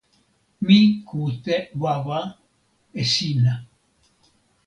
mi kute wawa e sina.